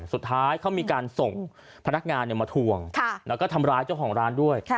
สุดท้ายเขามีการส่งพนักงานมาทวงแล้วก็ทำร้ายเจ้าของร้านด้วย